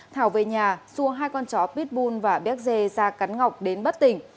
thảo về nhà xua hai con chó pitbull và béc xê ra cắn ngọc đến bất tỉnh